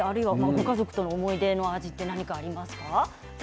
ご家族の思い出の味は何かありますか？